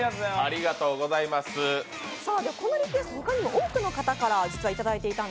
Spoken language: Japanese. このリクエスト、他にも多くの方からいただいていました。